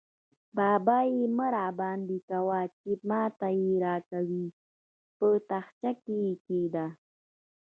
بابايي مه راباندې کوه؛ چې ما ته يې راکوې - په تاخچه کې يې کېږده.